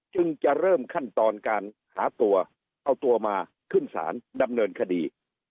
จึงจะเริ่มขั้นตอนการหาตัวเอาตัวมาขึ้นศาลดำเนินคดี